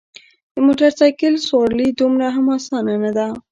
د موټرسایکل سوارلي دومره هم اسانه نده.